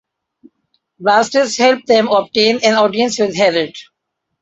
Blastus helped them obtain an audience with Herod.